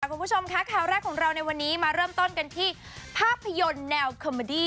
คุณผู้ชมค่ะข่าวแรกของเราในวันนี้มาเริ่มต้นกันที่ภาพยนตร์แนวคอมเมอดี้